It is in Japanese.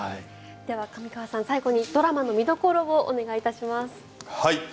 では、上川さん最後にドラマの見どころをお願いします。